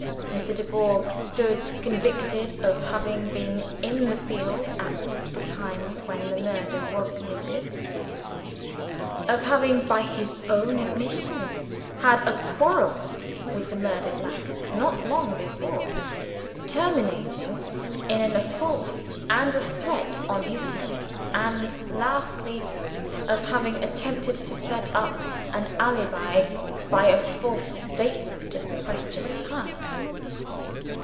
Mr. Dubourg stood convicted of having been in the field at the time when the murder was committed; of having, by his own admission, had a quarrel with the murdered man, not long before, terminating in an assault and a threat on his side; and, lastly, of having attempted to set up an alibi by a false statement of the question of time.